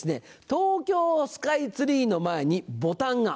「東京スカイツリーの前にボタンが。